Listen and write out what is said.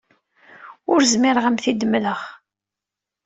Ur zmireɣ ad am-t-id-mleɣ.